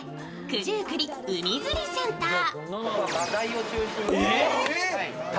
九十九里海釣りセンター。